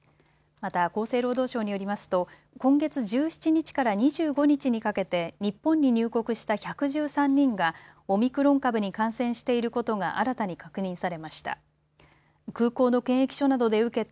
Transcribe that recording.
また厚生労働省によりますと今月１７日から２５日にかけて日本に入国した１１３人がオミクロン株に感染していることが新たに確認されました。